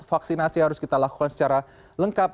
vaksinasi harus kita lakukan secara lengkap